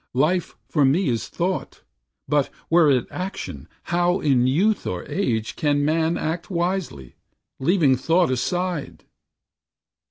Life for me is thought, But, were it action, how, in youth or age, Can man act wisely, leaving thought aside?"